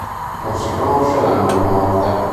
Non si conosce l'anno di morte.